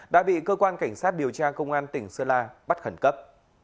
đã bị cơ quan cảnh sát điều tra công an tỉnh sơn la bắt khẩn cấp